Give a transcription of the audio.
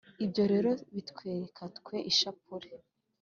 ibyo rero bitwereka twe ishapule,